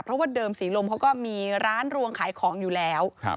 เพราะว่าเดิมศรีลมเขาก็มีร้านรวงขายของอยู่แล้ว